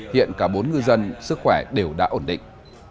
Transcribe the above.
hiện cả bốn ngư dân sức khỏe đều đã ổn định